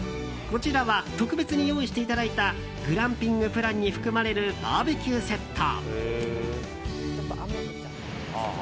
こちらは特別に用意していただいたグランピングプランに含まれるバーベキューセット。